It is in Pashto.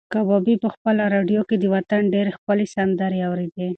کبابي په خپله راډیو کې د وطن ډېرې ښکلې سندرې اورېدې.